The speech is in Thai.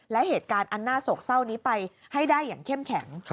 และเหตุการณ์อันน่าโศกเศร้านี้ไปให้ได้อย่างเข้มแข็ง